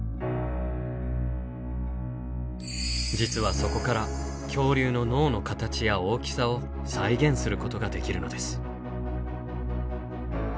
実はそこから恐竜の脳の形や大きさを再現することができるのです。